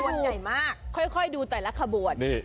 เดี๋ยวค่อยดูแต่ละขบวน